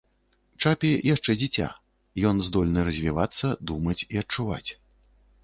Чапі яшчэ дзіця, ён здольны развівацца, думаць і адчуваць.